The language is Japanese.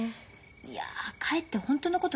いやかえって本当のこと